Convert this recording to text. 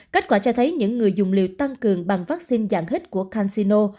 kết quả cho thấy những người dùng liều tăng cường bằng vaccine dạng hit của cansino